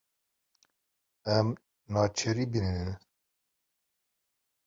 Em naceribînin.